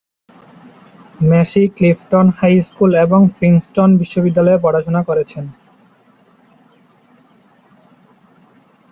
Massey Clifton high school এবং Princeton বিশ্ববিদ্যালয়ে পড়াশোনা করেছেন।